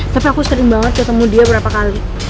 tapi aku sering banget ketemu dia berapa kali